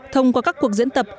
thông qua các cuộc diễn tập